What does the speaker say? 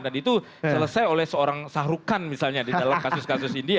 dan itu selesai oleh seorang sahrukan misalnya di dalam kasus kasus india